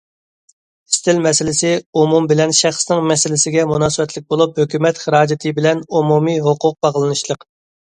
ئىستىل مەسىلىسى ئومۇم بىلەن شەخسنىڭ مەسىلىسىگە مۇناسىۋەتلىك بولۇپ، ھۆكۈمەت خىراجىتى بىلەن ئومۇمىي ھوقۇق باغلىنىشلىق.